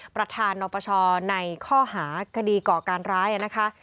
ประธานนปชในข้อหาคดีก่อการร้ายนะคะ